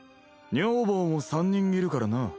女房も３人いるからな。